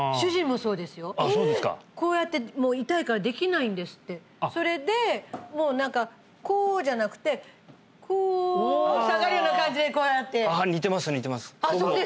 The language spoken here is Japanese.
そうですかこうやってもう痛いからできないんですってそれでもう何かこうじゃなくてこう下がるような感じでこうやってああ似てます似てますあっ